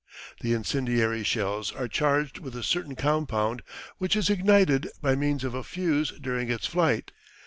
The incendiary shells are charged with a certain compound which is ignited by means of a fuse during its flight.